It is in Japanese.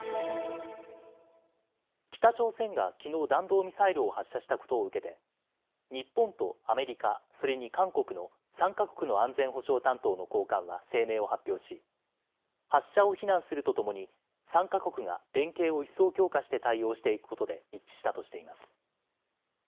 北朝鮮がきのう弾道ミサイルを発射したことを受けて日本とアメリカ、それに韓国の３か国の安全保障担当の高官は声明を発表し発射を非難するとともに３か国が連携を一層強化して対応していくことで一致したとしています。